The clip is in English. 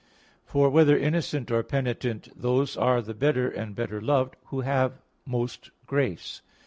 For whether innocent or penitent, those are the better and better loved who have most grace.